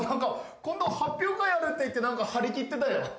今度発表会やるって言って何か張り切ってたよ。